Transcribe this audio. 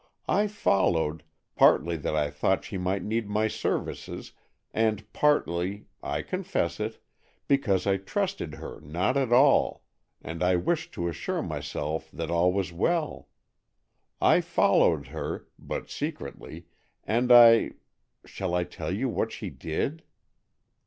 I followed, partly that I thought she might need my services, and partly—I confess it—because I trusted her not at all, and I wished to assure myself that all was well. I followed her,—but secretly,—and I—shall I tell you what she did?"